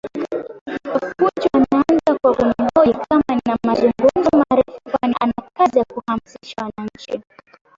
Kapunju anaanza kwa kunihoji kama nina mazungumzo marefu kwani ana kazi ya kuhamasisha wananchi